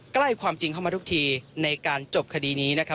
ใกล้ความจริงเข้ามาทุกทีในการจบคดีนี้นะครับ